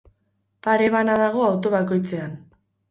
Pare bana dago auto bakoitzean.